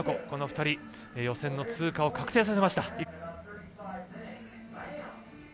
この２人が予選の通過を確定させました。